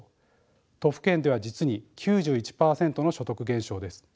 都府県では実に９１％の所得減少です。